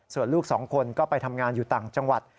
ส่วนลูกสองคนก็ไปทำงานอยู่ต่างจังหวัด